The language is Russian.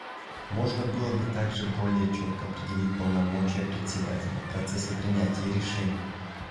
Можно было бы также более четко определить полномочия Председателя в процессе принятии решений.